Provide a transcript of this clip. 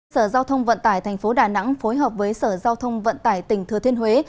sở giao thông vận tải tp đà nẵng phối hợp với sở giao thông vận tải tỉnh thừa thiên huế